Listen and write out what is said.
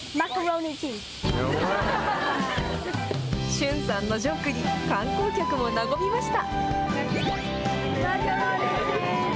駿さんのジョークに観光客も和みました。